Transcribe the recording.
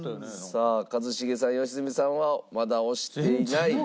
さあ一茂さん良純さんはまだ押していない。